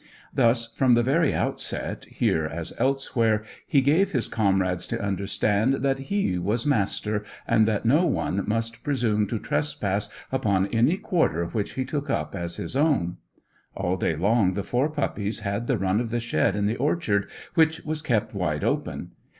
Thus from the very outset, here as elsewhere, he gave his comrades to understand that he was master, and that no one must presume to trespass upon any quarter which he took up as his own. All day long the four puppies had the run of the shed in the orchard, which was kept wide open.